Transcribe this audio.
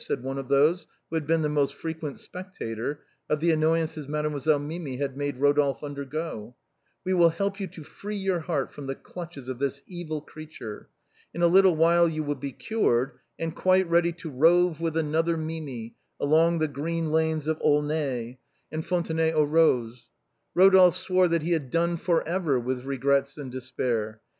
" said one of those who had been the most frequent spectator of the annoyances Made moiselle Mimi had made Eodolphe undergo ;" we will help you to free your heart from the clutches of this evil creat ure. In a little while you will be cured, and quite ready to rove with another Mimi along the green lanes of Aulnay and Fontenay aux Eoses." Eodolphe swore that he had for ever done with regrets and despair.